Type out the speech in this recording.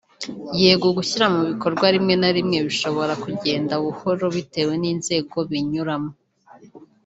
yego gushyira mu bikorwa rimwe na rimwe bishobora kugenda buhoro bitewe n’inzego binyuramo